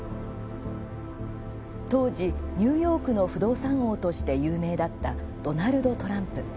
当時、ニューヨークの不動産王として有名だったドナルド・トランプ。